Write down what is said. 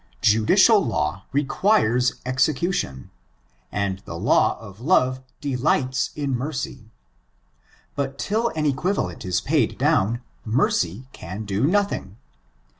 Judicial law requires execution^ and the law of love delights in mercy ; but till an equivalent is paid down, mercy can do nothing.